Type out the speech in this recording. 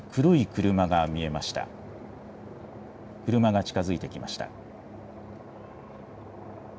車が近づいてきました。